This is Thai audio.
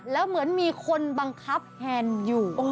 แล้วเหมือนมีคนบังคับแฮนด์อยู่